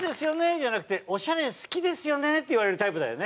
じゃなくて「オシャレ好きですよね」って言われるタイプだよね。